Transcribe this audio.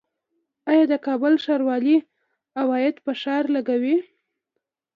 آیا د کابل ښاروالي عواید په ښار لګوي؟